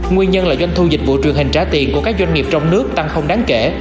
nguyên nhân là doanh thu dịch vụ truyền hình trả tiền của các doanh nghiệp trong nước tăng không đáng kể